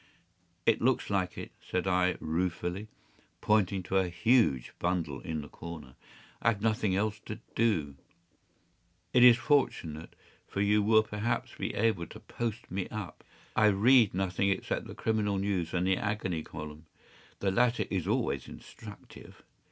” “It looks like it,” said I, ruefully, pointing to a huge bundle in the corner. “I have had nothing else to do.” “It is fortunate, for you will perhaps be able to post me up. I read nothing except the criminal news and the agony column. The latter is always instructive.